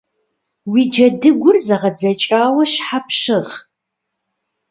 Уи джэдыгур зэгъэдзэкӏауэ щхьэ пщыгъ?